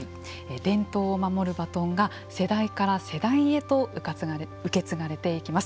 伝統を守るバトンが世代から世代へと受け継がれていきます。